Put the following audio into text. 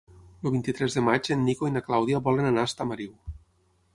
El vint-i-tres de maig en Nico i na Clàudia volen anar a Estamariu.